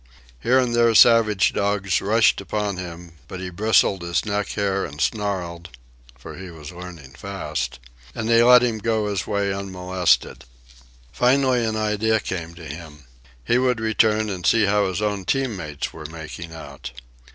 Here and there savage dogs rushed upon him, but he bristled his neck hair and snarled (for he was learning fast), and they let him go his way unmolested. Finally an idea came to him. He would return and see how his own team mates were making out.